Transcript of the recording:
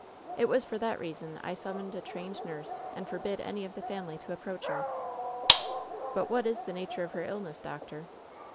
It was for that reason I summoned a trained nurse and forbid any of the family to approach her." "But what is the nature of her illness, doctor?"